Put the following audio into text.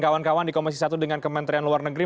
kawan kawan di komisi satu dengan kementerian luar negeri